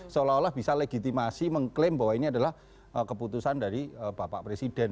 seolah olah bisa legitimasi mengklaim bahwa ini adalah keputusan dari bapak presiden